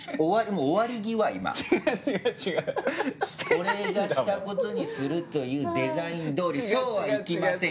俺がしたことにするというデザイン通りそうはいきません